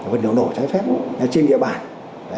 vật liệu nổ trái phép trên địa bàn